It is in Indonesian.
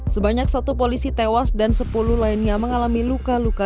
sebanyak satu polisi tewas dan sepuluh lainnya mengalami luka luka